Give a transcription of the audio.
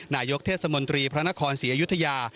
นายกเทศมนตรีพระนครศรีอยุธยา